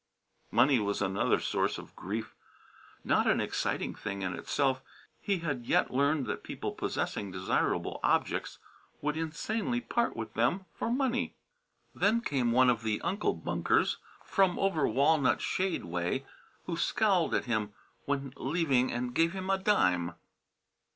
Money was another source of grief. Not an exciting thing in itself, he had yet learned that people possessing desirable objects would insanely part with them for money. Then came one of the Uncle Bunkers from over Walnut Shade way, who scowled at him when leaving and gave him a dime.